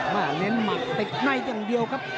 เมื่อเลนส์หมับติดไน้อย่างเดียวครับ